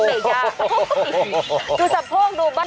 ดูสัมโภคดูบ้าง